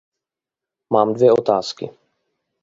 Mám dvě otázky.